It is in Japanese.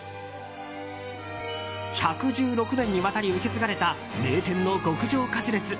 １１６年にわたり受け継がれた名店の極上カツレツ。